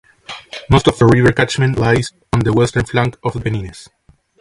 Most of the river's catchment lies on the western flank of the Pennines.